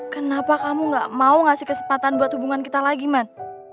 kenapa kamu gak mau ngasih kesempatan buat hubungan kita lagi man